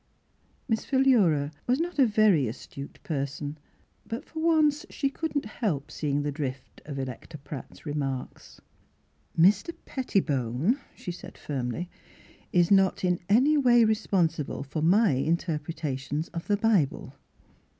" Miss Philura was not a very astute Miss Fhilura's Wedding Gown person; but for once she could not help seeing the drift of Electa Pratt's remarks. " Mr. Pettlbone," she said firmly, " is not in any way responsible for my inter pretations of the Bible."